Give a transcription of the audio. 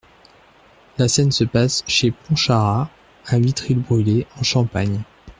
La scène se passe chez Pontcharrat, à Vitry-le-Brûlé, en Champagne.